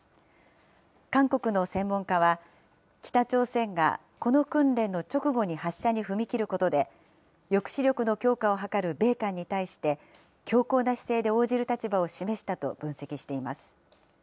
韓国の専門家は、北朝鮮がこの訓練の直後に発射に踏み切ることで、抑止力の強化を図る米韓に対して、強硬な姿勢で応じる立場を示したと分析しています。